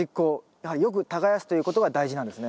やはりよく耕すということが大事なんですね。